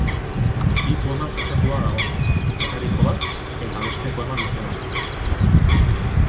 Bi poemaz osatua dago, atariko bat eta beste poema luze bat.